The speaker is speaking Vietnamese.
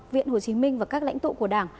viện hồ chí minh và các lãnh tụ của đảng